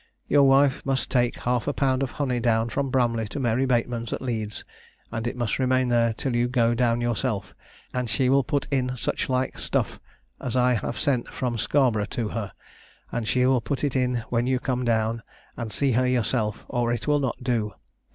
Your wife must take half a pound of honey down from Bramley to Mary Bateman's at Leeds, and it must remain there till you go down yourself, and she will put in such like stuff as I have sent from Scarbro' to her, and she will put it in when you come down, and see her yourself, or it will not do.